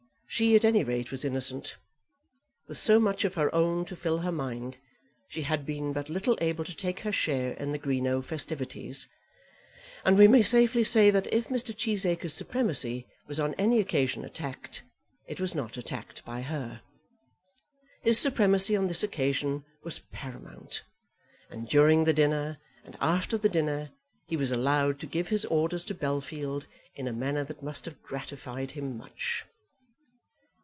she, at any rate, was innocent. With so much of her own to fill her mind, she had been but little able to take her share in the Greenow festivities; and we may safely say, that if Mr. Cheesacre's supremacy was on any occasion attacked, it was not attacked by her. His supremacy on this occasion was paramount, and during the dinner, and after the dinner, he was allowed to give his orders to Bellfield in a manner that must have gratified him much.